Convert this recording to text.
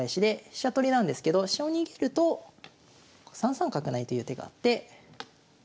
飛車取りなんですけど飛車を逃げると３三角成という手があって。